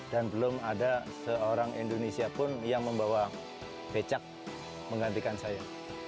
dan belum ada seorang indonesia pun yang membawa becak menggantikan saya